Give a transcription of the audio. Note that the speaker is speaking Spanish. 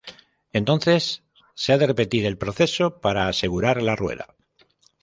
Entonces, se ha de repetir el proceso para asegurar la rueda.